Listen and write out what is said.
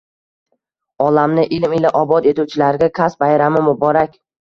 Olamni ilm ila obod etuvchilarga kasb bayrami muborak!